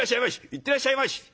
「行ってらっしゃいまし」。